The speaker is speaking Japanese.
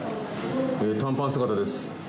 短パン姿です。